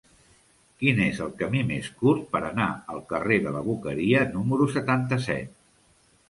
Quin és el camí més curt per anar al carrer de la Boqueria número setanta-set?